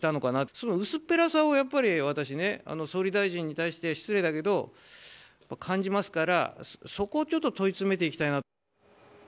その薄っぺらさがやっぱり私ね、総理大臣に対して失礼だけど、感じますから、そこをちょっと問い詰めていきたいな。